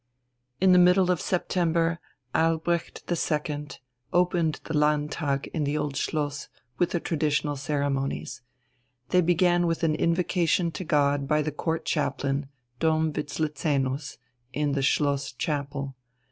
In the middle of September Albrecht II opened the Landtag in the Old Schloss with the traditional ceremonies. They began with an invocation to God by the Court Chaplain, Dom Wislezenus, in the Schloss Chapel.